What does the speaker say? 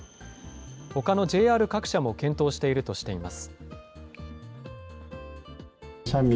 ほかのＪＲ各社も検討しているとしています。